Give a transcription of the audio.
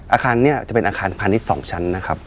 อาคารนี้จะเป็นอาคารพาณิชย์๒ชั้นนะครับ